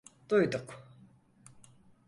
Duyduk…